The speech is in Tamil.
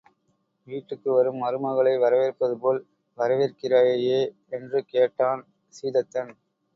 வீட்டுக்கு வரும் மருமகளை வரவேற்பது போல் வரவேற்கிறாயே என்று கேட்டான் சீதத்தன்.